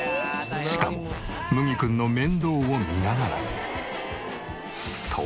しかも麦くんの面倒を見ながら。